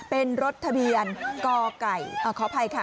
เป็นรถทะเบียนกไก่ขออภัยค่ะ